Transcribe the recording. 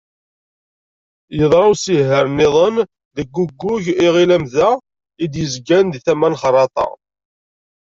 Yeḍra usihar-nniḍen deg uggug Iɣil Amda, i d-yezgan di tama n Xerraṭa.